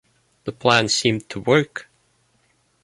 The plan seemed to work.